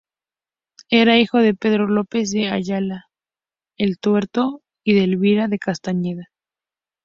Era hijo de Pedro López de Ayala el Tuerto y de Elvira de Castañeda.